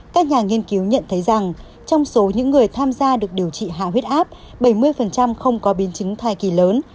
các nhà nghiên cứu nhận thấy rằng trong số những người tham gia được điều trị hạ huyết áp bảy mươi không có biến chứng thai kỳ lớn